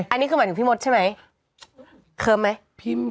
อันนี้คือหมายถึงพี่มดใช่ไหมเคิ้มไหม